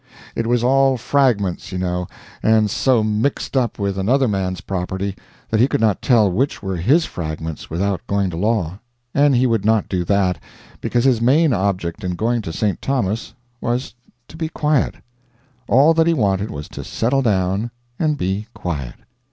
It was all fragments, you know, and so mixed up with another man's property that he could not tell which were his fragments without going to law; and he would not do that, because his main object in going to St. Thomas was to be quiet. All that he wanted was to settle down and be quiet.